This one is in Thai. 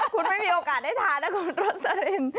คุณไม่มีโอกาสได้ทานนะคุณโรสลิน